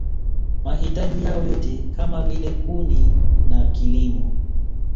Mahitaji yao yote kama vile kuni na kilimo